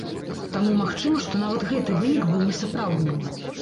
Таму магчыма, што нават гэты вынік быў несапраўдным.